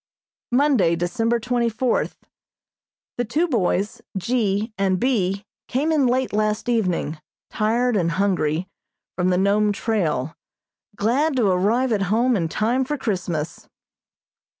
Monday, December twenty fourth: The two boys, G. and B., came in late last evening, tired and hungry, from the Nome trail, glad to arrive at home in time for Christmas.